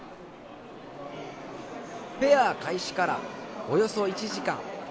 フェア開始からおよそ１時間。